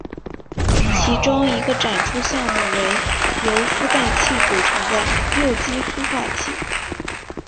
其中一个展出项目为由孵蛋器组成的幼鸡孵化器。